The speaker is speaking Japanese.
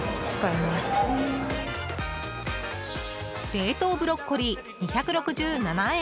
冷凍ブロッコリー、２６７円。